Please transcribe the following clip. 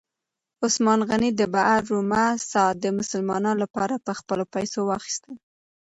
عثمان غني د بئر رومه څاه د مسلمانانو لپاره په خپلو پیسو واخیسته.